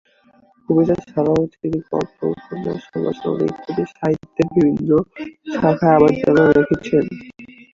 কবিতা ছাড়াও তিনি গল্প, উপন্যাস, সমালোচনা ইত্যাদি সাহিত্যের বিভিন্ন শাখায় অবদান রেখেছেন।